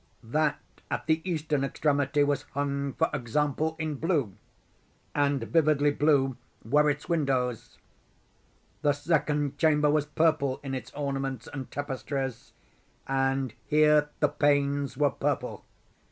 That at the eastern extremity was hung, for example, in blue—and vividly blue were its windows. The second chamber was purple in its ornaments and tapestries, and here the panes were purple.